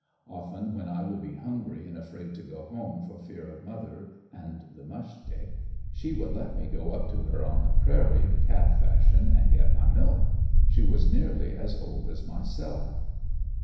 Often when I would be hungry and afraid to go home for fear of mother and the mush stick, she would let me go up to her on the prairie calf fashion and get my milk. She was nearly as old as myself.